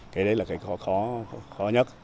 cái đấy là cái khó nhất